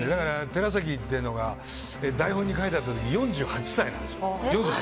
寺崎っていうのが台本に書いてあった時４８歳なんですよ。